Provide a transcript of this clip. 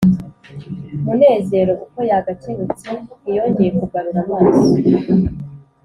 munezero uko yagakebutse ntiyongeye kugarura amaso